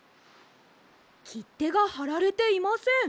きってがはられていません。